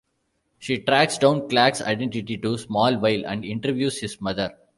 She tracks down Clark's identity to Smallville and interviews his mother.